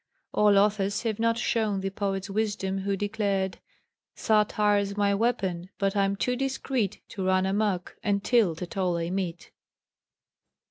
All authors have not shown the poet's wisdom who declared: "Satire's my weapon, but I'm too discreet To run amuck, and tilt at all I meet."